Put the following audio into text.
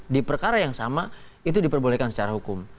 di perkara yang sama itu diperbolehkan secara hukum